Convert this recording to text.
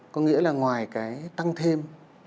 có nghĩa là ngoài cái tăng thêm